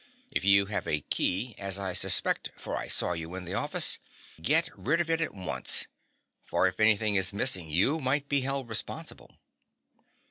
If you have a key, as I suspect for I saw you in the office get rid of it at once; for, if anything is missing, you might be held responsible."